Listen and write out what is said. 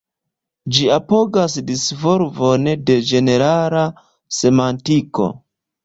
Ĝi apogas disvolvon de ĝenerala semantiko.